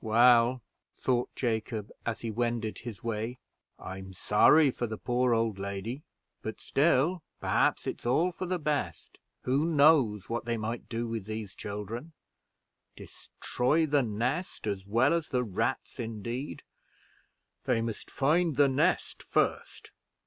"Well," thought Jacob, as he wended his way, "I'm sorry for the poor old lady, but still, perhaps, it's all for the best. Who knows what they might do with these children! Destroy the nest as well as the rats, indeed! they must find the nest first."